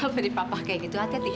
beri papa kayak gitu hati hati